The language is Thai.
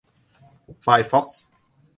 ไฟร์ฟอกซ์